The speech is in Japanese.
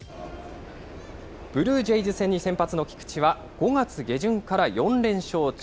ブルージェイズ戦に先発の菊池は、５月下旬から４連勝中。